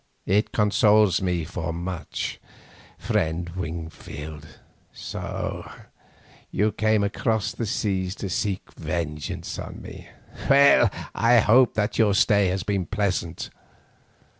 It consoles me for much, friend Wingfield. So you came across the seas to seek vengeance on me? Well, I hope that your stay has been pleasant.